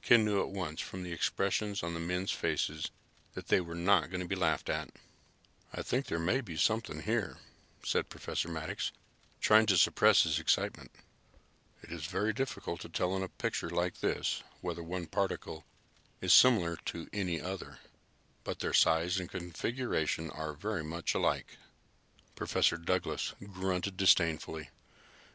Ken knew at once, from the expressions on the men's faces, that they were not going to be laughed at. "I think there may be something here," said Professor Maddox, trying to suppress his excitement. "It is very difficult to tell in a picture like this whether one particle is similar to any other, but their size and configuration are very much alike." Professor Douglas grunted disdainfully.